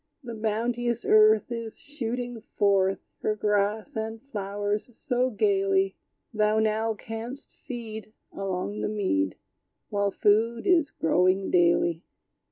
The bounteous earth Is shooting forth Her grass and flowers so gayly; Thou now canst feed Along the mead, While food is growing daily.